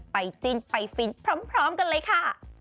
จิ้นไปฟินพร้อมกันเลยค่ะ